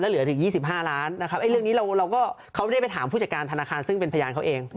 เหลือถึง๒๕ล้านนะครับเรื่องนี้เราก็เขาได้ไปถามผู้จัดการธนาคารซึ่งเป็นพยานเขาเอง